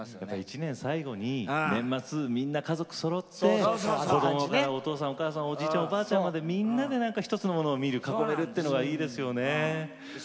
１年最後に年末、家族みんなそろって子どもからお父さん、お母さんおじいちゃん、おばあちゃんまでみんなで、１つのものを見るというがいいですよね。